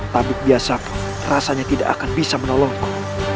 tabib biasa pun rasanya tidak akan bisa menolongku